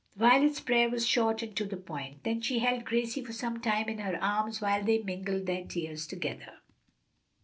Violet's prayer was short and to the point. Then she held Gracie for some time in her arms, while they mingled their tears together.